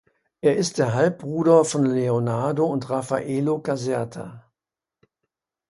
Er ist der Halbbruder von Leonardo und Raffaello Caserta.